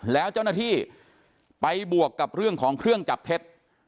แล้วเจ้าหน้าที่ไปบวกกับเรื่องของเครื่องจับเท็จ